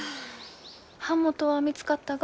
版元は見つかったが？